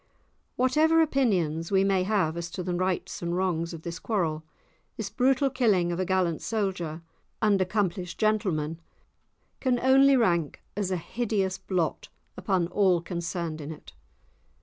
Whatever opinions we may have as to the rights and wrongs of the quarrel, this brutal killing of a gallant soldier and accomplished gentleman can only rank as a hideous blot upon all concerned in it.